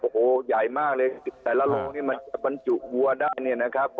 โอ้โหใหญ่มากเลยแต่ละโรงเนี่ยมันจะบรรจุวัวได้เนี่ยนะครับ